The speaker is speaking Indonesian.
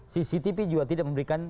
cctv juga tidak memberikan